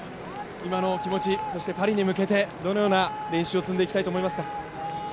今のお気持ち、そしてパリに向けて、どんな練習を積んでいきたいと思いますか？